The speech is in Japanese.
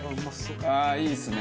あっいいですね。